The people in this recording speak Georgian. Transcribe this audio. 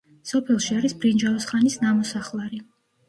სოფელში არის ბრინჯაოს ხანის ნამოსახლარი.